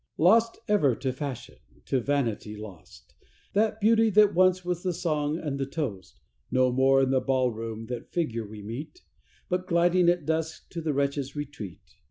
Lost ever to fashion to vanity lost, That beauty that once was the song and the toast. No more in the ball room that figure we meet, But gliding at dusk to the wretch's retreat.